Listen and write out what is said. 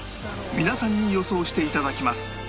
皆さんに予想して頂きます